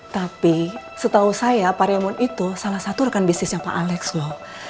tapi setahu saya pariemon itu salah satu rekan bisnisnya pak alex loh